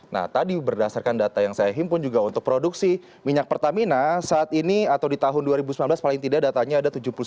nah tadi berdasarkan data yang saya himpun juga untuk produksi minyak pertamina saat ini atau di tahun dua ribu sembilan belas paling tidak datanya ada tujuh puluh sembilan